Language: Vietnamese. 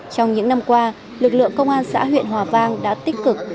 trong những năm qua lực lượng công an xã huyện hòa vang đã tích cực